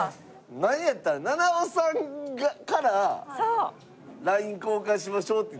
なんやったら菜々緒さんから「ＬＩＮＥ交換しましょう」ってねえ。